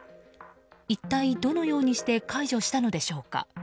一体どのようにして解除したのでしょうか。